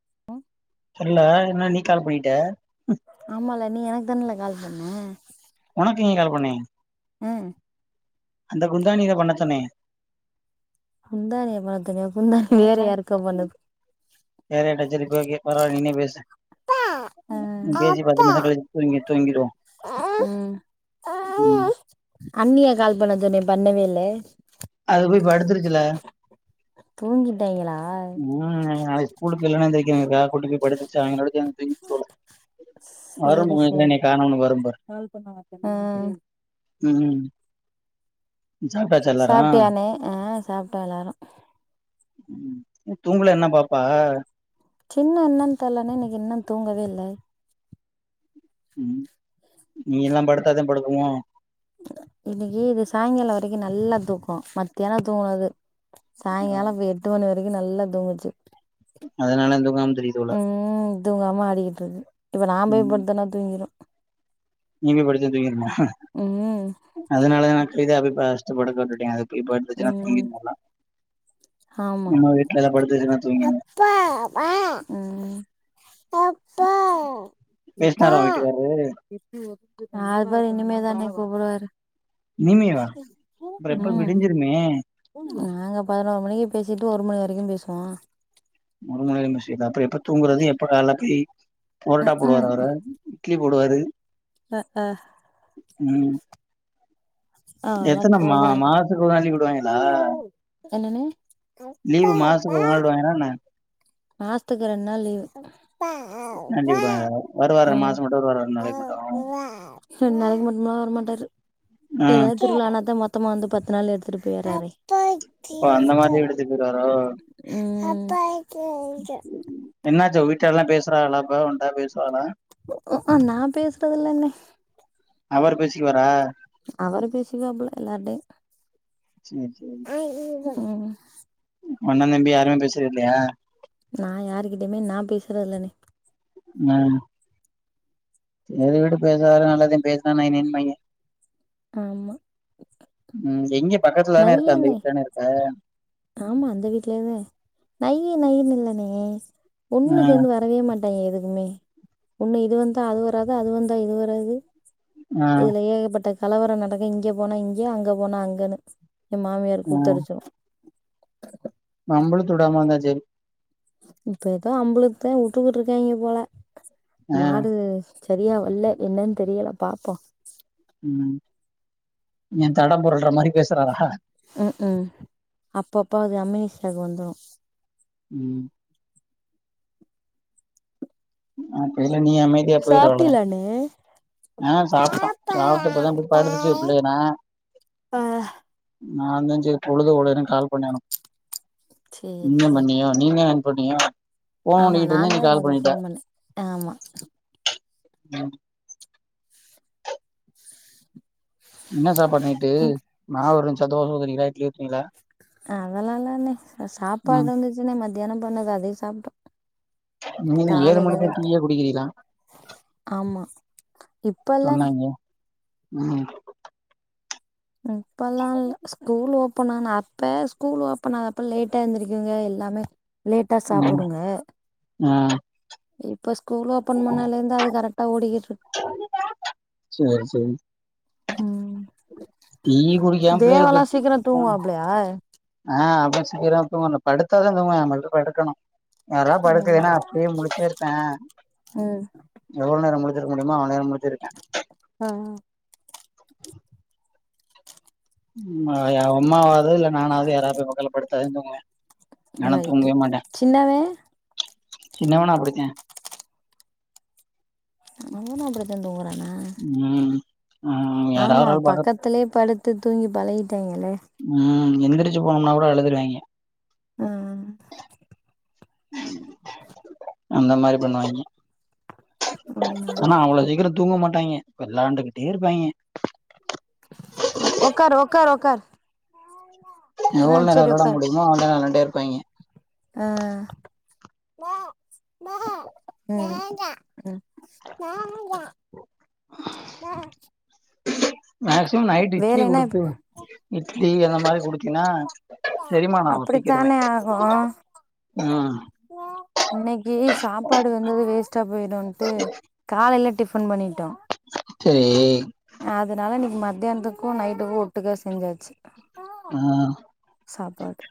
[inaudible] தெர்ல என்னா நீ கால் பண்ணிட்ட ஆமால நீ எனக்கு தான்ல கால் பன்ன ஒனக்கு எங்க கால் பண்ணே ம் அந்த குந்தானியதா பண்ண சொன்னே குந்தானிய பண்ண சொன்னியா குந்தானி வேற யாருக்கோ பண்ணுது வேற யார்ட்டச்சும் ரிப்ப ஓகே பரவால்ல நீனே பேசு ஆ பேசி பத்து நிமிஷோ கழிச்சு தூங்கி தூங்கிடுவோ ம் உம் லே அது போய் படுத்துரு சில தூங்கிட்டாய்ங்களா உம் ஸ்கூலுக்கு இல்லனா எந்திரிக்க [unintelligible] கூட்டு போய் பட சாங்களும் படுத்து அங்க தூங்கிடுச்சு போல வரு சேரி புவே சேரி என்னைய காணும்னு வரும் பாரு ஆ உம் சாப்பாட்டாச்சல்ல ட்டியானே ஆஹ் சாப்ட்டோ எல்லாரு தூங்லயா இன்னு பாப்பா சின்னு என்னன் தெர்லன்னே இன்னைக்கு இன்னு தூங்கவே இல்ல நீங்கெல்லா படுத்தாதா படுக்குமோ இன்னைக்கு இது சாயங்காலொ வரைக்கு நல்லா தூக்கோ மத்யானொ தூங்னது சாயங்காலொ இப்ப எட்டு மணி வர் ரைக்கு நல்லா தூங்குச்சு அதனால இந்தூங்காம திரியுது போல ம் தூங்காம ஆடிகிட்ருக்கு இப்ப நா போய் படுத்தனா தூங்கிரு நீங்க படிச்சா தூங்கிருமா ம் அதனால தா நா இத அப்பி பஸ்ட்டு படுக்க விட்டுட்டே அது போய் படுத்துச்சினா ம் தூங்கிடு நல்லா ஆமா நம்ம வீட்லதா படுத் துச்சுனா தூங்கிரு அப்பா ம் அப்பா பேஸ்னாரா ஓ வீட்டுக்காரரு நால பேரு இனிமேதானே கூப்புடுவாரு இனிமேவா அப்ற எப்ப ம் விடிஞ்சிருமே நாங்க பதினோரு மணிக்கு பேசிட்டு ஒரு மணி வரைக்கு பேசுவோ முருமுனைந்து [unintelligible] அப்ற எப் ப்ப தூங்குறது எப்ப வேலக்கி பொரட்டா போடுவாரா அவரு இட்லி போடுவாரு அஹ்ஹ உம் அதெல்லா எத்தனம்மா போவாருங்க மாஸ்த்துக்கு ஒரு அஞ்சு கூடுவாங்கெளா என்னனே லீவு மாஸ்த்துக்கு ஒரு நாள் விடுவாய்ங்களா என்ன மாஸ்த்துக்கு ரெண் நாள் லீவு கண்டிப்பாய்ளா வருவாரா ம் மாசம் மட்டு வருவாரா ரெண்ட்நாளைக்கு மட்டு ரெண் நாளைக்கு மட்டும்னா வர மாட்டாரு ஆ ஏதாத் திருவ்ழானாத்தா மொத் மொத்தமா வந்து பத்து நாள் எடுத்துட்டு போயற்றாரே அப்ப அந்த மாரி எடுத்துக்குறாரோ பைக் இங்க உங்க வீட்டால்லாம் பேசுறாகளா இப்ப உண்ட பேசுவாளா நான் பேசுறதுல்ன்ணே அவரு பேசிக்குவாரா அவரு பேசிக்குவாப்ள எல்லார்டயும் சேரி உம் ஒன்ன நம்பி யாருமே பேசுறது இல்லையா நான் யாருகிட்டயுமே நான் பேசுறதில்லணே ஆஹ் செரி விடு பேசாததும் நல்லதுதே பேசுனாலும் நைநைய்பாய்ங்க ஆமா உம் எங்க பக்கத்துலதான இருப்ப அந்த நையிண்ணே வீட்ல தான இருப்ப ஆமா அந்த வீட்லயேதே நய்யி நய்னு இல்லணே ஆ ஒண்ணு சேந்து வரவே மாட் டே எதுக்குமே ஒன்னு இது வந்தா அது வராது அது வந்தா இது வராது ஆ இதுல ஏகப்பட்ட கலவரம் நடக்கு இங்க போனா இங்க அங்க போனா அங்கன்னு என் மாமியாரு ஆ கூத்தடுச்சுடும் நம்பள தொடாம இருந்தா செரி இப்ப எதோ அம்புளுத்தே வுட்டுக்கிட்டு இருக்காய்ங்க போல ஆ மாடு சரியா வல்ல என்னன்னு தெரியல பாப்போம் ஏன் தடம் பொறள்ற மாரி பேசுறாரா ம் ம் அப்பப்ப அது அமினிஷியாக்கு வந்துரு ம் ஆ [unintelligible] இல்ல நீ அமைதியா போயிரு அவ்ளோதா சாப்ட்டீலா அண்ணு ஆ சாப்ட்டோ சாப்ட்டு இப்ப தா போயி படுத்துச்சு புள்ளைக நா ஆ நானுந்தா செரி பொழுதுபோலனு கால் பண்ணே ஒனக்கு சேரி நீ சேரி பண்ணியோ நீ [unintelligible] போனியா ஃபோன் ஆமா நோண்டிட்ருந்தே நீ நான்தா கால் உனக்கு பண்ணிட்ட ஃபோன் பண்ணே ஆமா ம் என்ன சாப் அப்ப நைட்டு ம் நா ஒரு [unintelligible] டயட்லருக்கீங்ளா அதெல்லால்லாண்ணே சாப்பாடு ம் இருந்துச்சுன்னே மதியானோ பண்ணது அதே சாப்ட்டோ நீங்க ஏழு மணிக்கு காலைலதா ட் டீயே குடிக்கிறீங்களா ஆமா இப்பல்லண்ணே சொன்னாங்க ம் இப்பல்லா இல்ல ஸ்கூல் ஓப்பன் ஆனா இப்ப ஸ்கூல் ஓப்பன் ஆவுரப்ப லேட்டா எழுந்திரிக்குங்க எல்லாமே லேட்டா ம் சாப்புடுங்க ஆ இப்ப ஸ்கூல் ஓப்பன் பண்ணலேந்து அது கரெக்ட்டா ஓடிக்கிட் சேரி சேரி ம் குடிக்காம தேவாலா பிள்ளைகளுக்கு சீக்கரொ தூங்குவாப்புலயா ஆ அப்ப சீக்கரொ தூங்கணு படுத்தாதா தூங்குவா நம வந்து படுக்கணு யாரயா ம் படுக்குலன்னா அப்டியே முழிச்சிருப்பே ம் எவ்ளோ நேரொ முழிச் [unintelligible] முடியுமோ அவநேர முழிச்சி இருக்கே ஆ [unintelligible] அம்மாவ [unintelligible] நானாவது யாராவது போயி பக்கத்துல படுத்தாதா தூங்குவா ரைட்டு சின்னவே சின்னவெனு அப்டிதே அவங்களு அப்டி தா தூங்குறா ம் ம் யாரா ஒரு ஆள் பக்க த்து தூங்கி பழகி ட்டேங்கல்லே எந்துருச்சு போனோம்னா கூட அழுதுருவாய்ங்க அஹ் அந்த மாரி பண்ணுவாய்ங்க ஆமா ஆனா அவ்வளவு சீக்கிரத்து தூங்க மாட்டாய்ங்கே வெல்லாண்டுகிட்டே இருப்பாய்ங்கே உக்காரு உக்காரு உக்காரு ஆ எவ்ளோ நேர செரி விளாட முடியுமா அவளோ நோரோ விளாண்ட்டே ப்பாய்ங்க ஆஹ் உம் உம் [inaudible] மேகஸிமம் நைட் இட்லி குடுத்து இட் லி அந்த மாரி குடுத்தினா அப்படித்தானே ஆகு ம் இன்னைக்கு சாப்பாடு வந்தது வேஸ்ட்டா போயிடுன்ட்டு காலையில டிஃபன் பண்ணிட்டோ சேரி அதனால இன்னைக்கு மத் யானத்துக்கு நைட்டுக்கு ஒட்டுக்கா செஞ்சாச்சு ஆ சாப்பாடு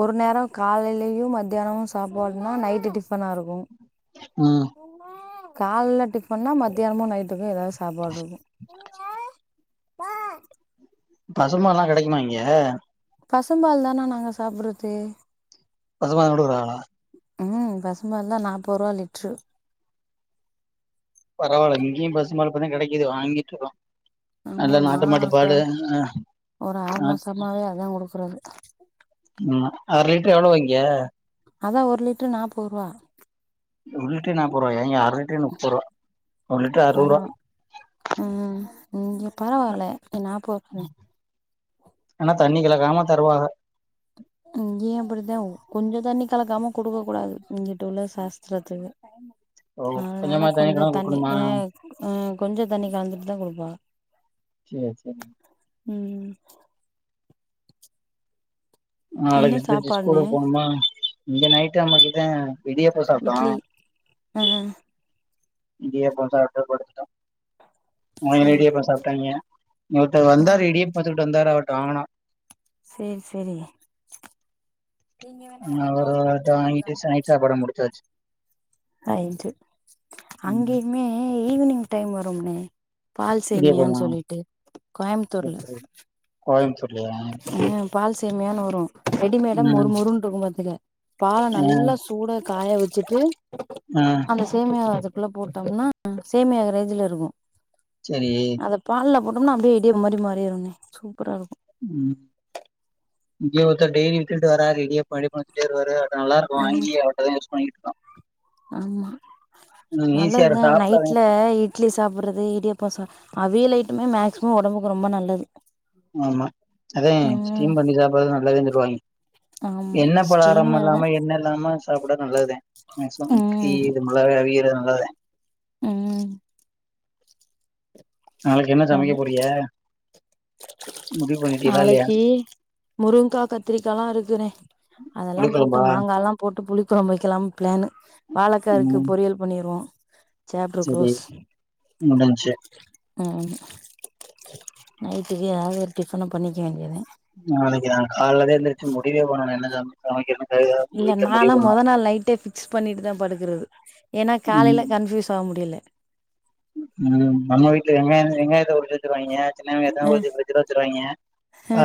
ஒரு நேர காலையிலயு ம த்யானமு சாப்பாடுனா நைட்டு டிஃபனா இருக்கு ம் கால்ல டிஃப ன் பண்ணா மத்தியானமு நைட்டுக்கு எதாவது சாப்பாடு இருக்கு பசும்பாலா கெடைக்குமா இங்க பசம்பால் தானா நாங்க சாப்படுறது பசும்பால் குடுக்கறாங்கலா ம் பசும்பால்தா நாப்பதுருவா லிட்ரு பரவால இங்கயு பசும்பால் இப்பதா கெடைக்குது வாங்கிட்ருக்கோ ஆமா நல்ல நா நாட்டு மாட்டு இப்ப பாலு ஒரு ஆறு ஆ மாசமாவே அதா குடுக்குறது ம் அரலிட்டரு எவ்ள இங்க அதா ஒரு லிட்டரு நாப்பதுருவா ஒரு லிட்டரே நாப்பதுருவாயா இங்க லிட்டரே முப்பது ரூவா ஒரு லிட்டர் பர அறுவது ரூவா ம் இங்க பரவால்ல இங்க நாப்பது தானே ஆனா தண்ணி கலக்காம தருவாக இங்கயு அப்டித்தே கொஞ்ச தண்ணி கலக்காம குடுக்க கூடாது இங்கிட்டு உள்ள சாஸ்துரத்துக்கு ஓ அதனால கொஞ்சமா கொஞ்ச கலந்து தண்ணி குடுக்கணுமா அ அ கொஞ்சோ தண்ணி கலந்துட்டு தா குடுப்பா சேர் சேரி ம் ஆ என்ன நாளைக்கு எந்திரிச்சு சாப்பாடுனே ஸ்கூலுக்கு போனுமா இங்க நைட்டு நம்ம கிட்ட இடியாப்போ சாப்ட்டோ இட்லி ஆ இடியாப்போ சாப்ட்டு படுத்துட்டா ஓ சேரி இடியாப்போ சேரி சாப்ட்டாய்ங்க ஒருத்தர் ஆ வந்தாரு இடியப்போ பாத்து ந்தாரு அவர்ட்ட வாங்குனோ சேரி சேரி நீங்க வேணா ஆ எனக்கு கால் ஒரு பண்ணுங்க [unintelligible] வாங்கிட்டு நைட் சாப்பாட முடிச்சாச்சு [unintelligible] ம் அங்கயுமே ஈவ்னிங் டைம் வரும்னே இடியாப்பமா பால்சேமியானு சொல்லிட்டு கோயம்புத்தூர்ல கோயம்புத்தூர் [unintelligible] ஆ பால் சேமியானு வரு ரெடிமேடா மொறு மொறுன்ருக்கு பாத்துக்க பால ஆ நல்லா சூடா காய வச்சுட்டு ஆ அந்த சேமியாவது உள்ள போட்டோம்னா சேமியாகுற ரேஜ்ல இருக்கு சரி அத பால்ல போட் டம்னா அப்டியே இடியப்போ மாரி மாரிறும்னே சூப்பரா இருக்கும் ம் இங்க ஒருத்தர் டெய்லி வித்துகுட்டு வராரு இடியாப்போ இடியாப்போனு வித்துகிட்டே வருவாரு நல்லா இருக்கு ம் வாங்கி அவட்டதா யூஸ் வாங்கிருக்கா ஆமா இரு நல்லதுதா சாப்டாதே நைட்ல இட்லி சா சாப்டுறது இடியப்போ சாப் அவியல் ஐட்டமே மேக்சிமம் ஒடம்புக்கு ரொம்ப நல்லது ஆமா அதே ம் ஸ்டீம் பண்ணி சாப்ட்றது நல்லது வாங் ஆமா எண்ணப் பலாகாரம் ஸ்டீமர் தா இல்லாம எண்ண இல்லாம சாப்புட்டா நல்லதுதா மேசிமம் இட்லி இது [unintelligible] அவியற நல்லதே உம் நாளைக்கி என்ன சமைக்க போறீய முடிவு பண்ணிட்டீங்களா இல்லையா நாளைக்கி முருங்கைகா கத்திரிக்கால்லா இருக்குண்ணே அதெல்லா புளிக்கொழம்பா போட்டு மாங்காலா போட்டு புளிக் கொழம்பு வக்கலாம்னு ப்ளானு வாழைக்கா இருக்கு ம் பொரியல் பண்ணிருவோ சேப்டரு சரி க்ளோஸ் முடிஞ்ச்சு ஆமா நைட்டுக்கு எதாவது ஒரு டிஃபன பண்ணிக்க வேண்டியதா நாளைக்கி நா கால்லதா எந்துருச்சு முடிவே பண்ணனு என்ன சமைக் இல்ல நாலா மொத நாள் நைட்டே ஃபிக்ஸ் பண்ணிட்டு தா படுக்குறது ஏன்னா காலையில கன்ஃபியூஸ் ஆக முடில உம் நம்ம வீட்ல வெங்காய வெங்காயத்த உரிச்சு வச்சிருவாய்ங்க சின்ன வெங்காயத்த ம் உரிச்சு ஃபிரிட்ஜில வச்சிருவாய்ங்க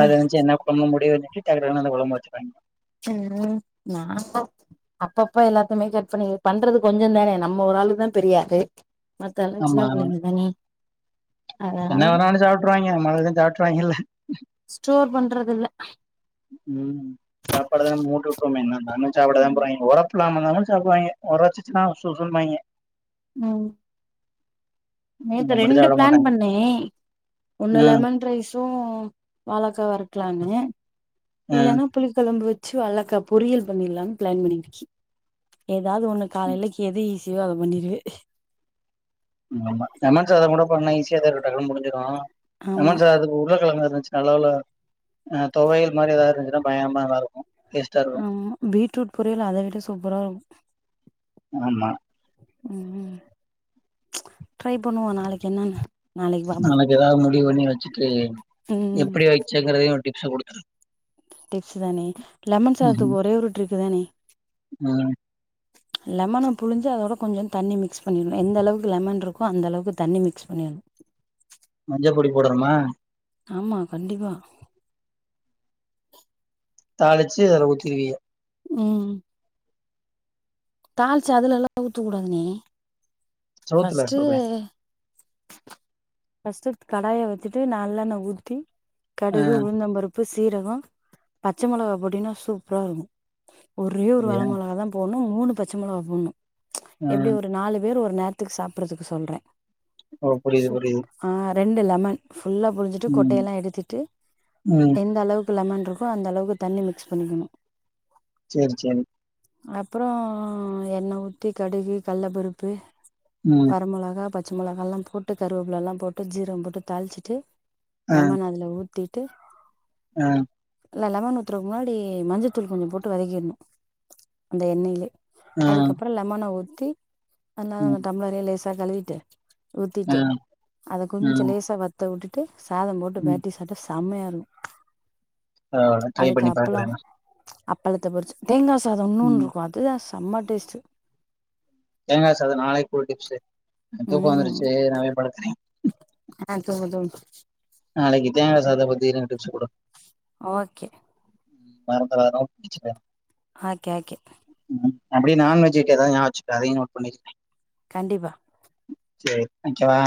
அத வச்சு என்ன பண்ண முடியுனு ஹீட் ஆகுறது நால ஒழம்மா வச்சிப்பாயீங்க உம் நாங்க அப்பப்ப எல்லாத்தையுமே கட் பண்ணி பண்றது கொஞ்சொ தானே நம்ம ஒரு ஆளுக்குனா தெரியாது மத்த எல்லா ஆமா சின்னப் பிள்ளைங்க தானே அதனால என்ன வேணாலு சாப்ட்டுருவாய்ங்க மொத்ததையு சாப்ட்டுவாய்ங்கல்ல ஸ்டோர் பண்ற துல்ல உம் சாப்பாட தானே மூடிட் இருப்போமே நான் வந்து சாப்பிட தா போறாய்ங்க ஒரப் சொல்லாம கொள்ளாம சாப்பிடுவாய்ங்க ஒரச்சுச்சுன்னா சொ சொல்லுவாய்ங்க உம் நம்ம நேத்து மட்டு ரெண்டு சாப்ட பிளான் மாட்டாங்க பண்ணே ஒன்னு ம் லெமன் ரைஸு வாழக்கா வரு ருக்கலானு ம் இல்லன்னா புளிக்கொழம்பு வெச்சு வாழக்கா பொரியல் பண்ணிடலானு பிளான் பண்ணிட்ருக்கே ஏ தாவது ஒண்ணு காலலைக்கு எது ஈஸி பிடிவாதொ பண்ணிரு உம் ஆமா லெமன் சாதொ கூட பண்ணா ஈசியா தா இருக்கொ டக்குணு முடிஞ்சிரு ஆனா ஆமா சா அதுக்கு உருளக்கெழங்கு எது நல்ல வெல அஹ் தொவையல் மாரி ஏதாவது இருந்துச்சுனா பயங்கரமா நல்லா இருக்கு ஆமா பீட்ரூட் பொரியல் அத விட சூப்பரா இருக்கு ஆமா உம் ட்ரை பண்ணுவோ நாளைக்கு என்னன்னு நாளைக்கு ஏதா ஒண்ணு முடிவு பண்ணி வச்சுட்டு ம் எப்டி வச்சுக்கறதையு டிப்ஸ்ஸ கொடுத்துடு டிப்ஸ் தானே லெமன் சாதக்கு ஒரே ஒரு டிரிக்கு தானே உஹ் லெமன புழிஞ்சு அதோட கொஞ்சொன்னு தண்ணி மிக்ஸ் பண்ணிட்ணு எந்த அளவுக்கு லெமன் இருக்கோ அந்த அளவுக்கு தண்ணி மிக்ஸ் பண்ணிடணு மஞ்ச பொடி போடனுமா ஆமா கண்டிப்பா தாளிச்சு அதுல ஊத்திருவிய உம் தாளிச்சி அதுல எல்லா ஊத்தக் கூடாதுனே சோத்துல ஃபஸ்ட்டு சொல்றேன் ஃபர்ஸ்டு கடாய வச்சிட்டு நல்லெண்ணெ ஊத்தி ஆ கடுகு உளுந்தம்பருப் உப்பு சீரகம் பச்ச மொளகா போட்டீங்கன்னா சூப்பரா இருக்கோ ஒரே ஒரு வர அப்டியா மொளகா தான் போட்ணோ ம் மூணு பச்ச மொளகா போட்ணோ எப்பிடி ம் ஒரு நாலு பேர் ஒ நேரத்துக்கு சாப்பிடறதுக்கு சொல்றே ஓ புரியுது புரியுது ரெண்டு லமன் ஃபுல்லா புழிஞ்சுட்டு ம் கொட்டையெல்லா எடுத்துட்டு ம் எந்த அளவு லமன் இருக்கோ அந்த அளவுக்கு தண்ணி மிக்ஸ் பண்ணிக்கணு சேரி சேரி அப்புறோ எண்ண ஊத்தி கடுகு கல்ல பருப்பு ம் வர மெளகா பச் பச்சமெளகாலா போட்டு கருவேப்லல்லா போட்டு ஜீரம் போட்டு தாழிச்சிட்டு லமன் அதுல ஊத் த்திட்டு அ இல்ல லமன் ஊத்துறக் முன்னாடி மஞ்சள்த்தூள் கொஞ்சோ போட்டு வதக்கிட்ணு அந்த எண்ணெயிலே ஆ அதுக்கப்புறோ லெமன ஊத் தி நல்லா அந்த ம் டம்ளரே லேஸ் சா கழுவிட்டு ஆ ஊத்திட்டு அத ஆ கொஞ்சோ லேசா வத்த உட்டு சாதம் போட்டு பெரட்டி சாட்டா சமையா நா வேணா ட்ரை அதுக்கு பண்ணி அப்பளோ பாக்குறேனா அப்பளத்த பொறிச்சு தேங்க சாத இன்னோன்ருக்கு அதுதா செம்ம டேஸ்ட்டு தேங்கா சாத நாளைக்கொரு டிப்ஸு எனக்கு தூக்க ம் வந்துருச்சு நா போய் படுக்கிறே ஆ தூங்கு தூங்கு நாளைக்கு தேங்கா சாத பத்தி நா டிப்ஸ் குடு ஓகே மறந்தனாலு புடிச்சிட்ட க்கே க்கே அப்படிய நான்வெஜ் வைக்கத்தா ஞாபம் வச்சுக்க அதையும் நோட பண்ணிருக்க கண்டிப்பா சரி வைக்கவா